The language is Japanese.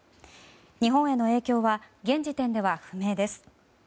日本への影響は現時点では不明です。